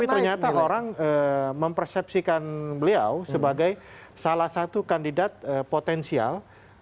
tapi ternyata orang mempersepsikan beliau sebagai salah satu kandidat potensial